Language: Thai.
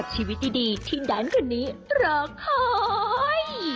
จริงด้านคืนนี้รอคอย